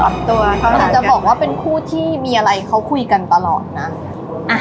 เขาอาจจะบอกว่าเป็นคู่ที่มีอะไรเขาคุยกันตลอดนะ